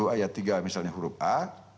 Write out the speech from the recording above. tujuh puluh ayat tiga misalnya huruf a